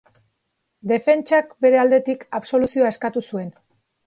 Defentsak, bere aldetik, absoluzioa eskatu zuen.